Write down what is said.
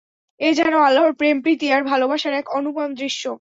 এ যেন অল্লাহর প্রেম-প্রীতি আর ভালবাসার এক অনুপম দৃশ্য।